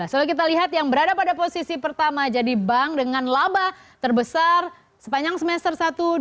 lalu kita lihat yang berada pada posisi pertama jadi bank dengan laba terbesar sepanjang semester satu dua ribu dua puluh